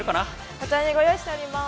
こちらにご用意しております。